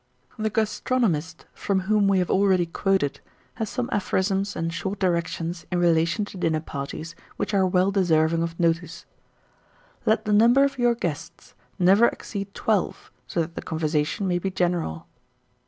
1886. The gastronomist from whom we have already quoted, has some aphorisms and short directions in relation to dinner parties, which are well deserving of notice: "Let the number of your guests never exceed twelve, so that the conversation may be general.